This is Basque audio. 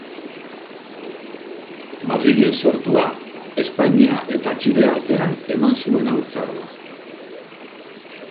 Madrilen sortua, Espainia eta Txile artean eman zuen haurtzaroa.